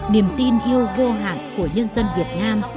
niềm tin yêu vô hạn của nhân dân việt nam